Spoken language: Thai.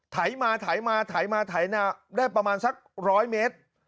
ไถมาได้ประมาณสัก๑๐๐เมตร